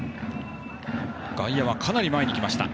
外野、かなり前に来ました。